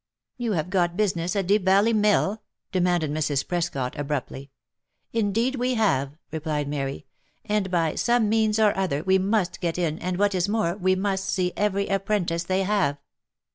" You have got business at Deep Valley Mill?" demanded Mrs. Prescot, abruptly. " Indeed we have," replied Mary, " and, by some means or other, we must get in, and, what is more, we must see every apprentice they have."